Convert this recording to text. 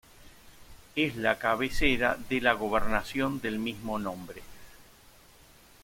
Es la cabecera de la gobernación del mismo nombre.